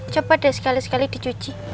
coba deh sekali sekali dicuci